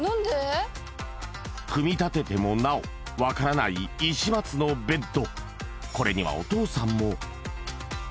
組み立ててもなおわからない石松のベッド